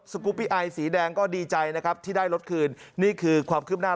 กูปปี้ไอสีแดงก็ดีใจนะครับที่ได้รถคืนนี่คือความคืบหน้า